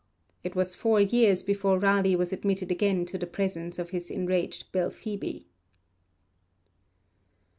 It was four years before Raleigh was admitted again to the presence of his enraged Belphoebe.